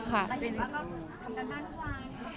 จะมียืดมีต่อรองอยู่ค่ะ